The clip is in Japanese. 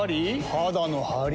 肌のハリ？